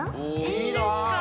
いいんですか？